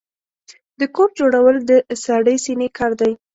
د کور جوړول د سړې سينې کار دی.